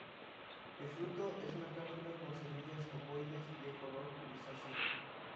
El fruto es una cápsula con semillas ovoides, de color grisáceo.